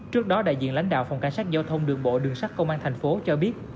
trước đó đại diện lãnh đạo phòng cảnh sát giao thông đường bộ đường sát công an thành phố cho biết